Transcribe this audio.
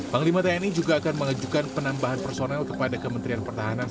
panglima tni juga akan mengajukan penambahan personel kepada kementerian pertahanan